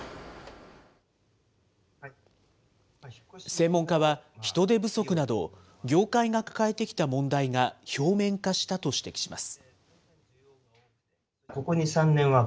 専門家は、人手不足など、業界が抱えてきた問題が表面化したと指摘します。